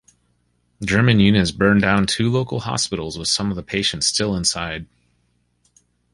German units burned down two local hospitals with some of the patients still inside.